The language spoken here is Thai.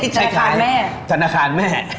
ใช้ค่ะจันทนาคารแม่